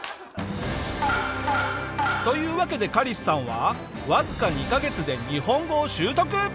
というわけでカリスさんはわずか２カ月で日本語を習得！